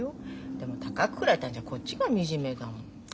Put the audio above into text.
でもたかくくられたんじゃこっちが惨めだもん。